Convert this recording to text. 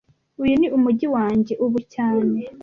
Uyu ni umujyi wanjye ubu cyane